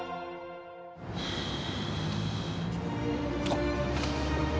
あっ。